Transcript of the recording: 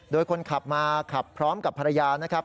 โดยคนขับมาขับพร้อมกับภรรยานะครับ